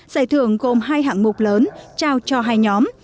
giải thưởng gồm hai hạng mục lớn trao cho hai nhóm